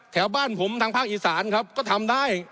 แถวบ้านผมทางภาคอีสานครับก็ทำได้